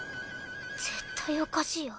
絶対おかしいよ。